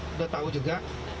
sudah tahu juga